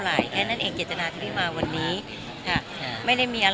ดูแค่นั้นเองเก็จนาที่มากว่าวันนี้